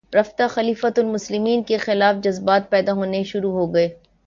رفتہ خلیفتہ المسلمین کے خلاف جذبات پیدا ہونے شروع ہوگئے